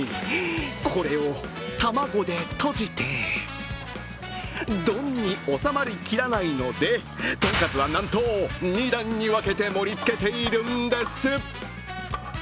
これを卵でとじて、丼に収まりきらないのでとんかつは、なんと２段に分けて盛りつけているんです。